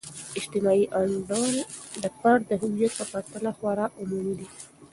اجتماعي انډول د فرد د هویت په پرتله خورا عمومی دی.